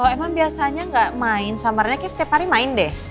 emang biasanya gak main sama rene kayak setiap hari main deh